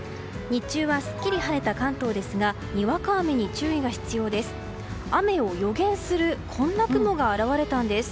日中はすっきり晴れた関東ですがにわか雨に注意が必要です。